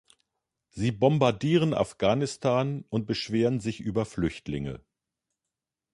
Sie bombardieren Afghanistan und beschweren sich über Flüchtlinge.